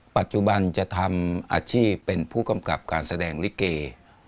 ปัจจุบันจะทำอาชีพเป็นผู้กำกับการแสดงลิเก